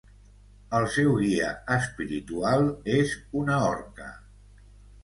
El seu guia espiritual és una orca.